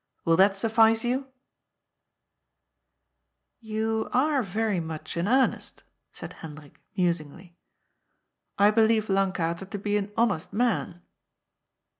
Will that suflBce you ?"" You are very much in earnest," said Hendrik musingly. " I believe Lankater to be an honest man."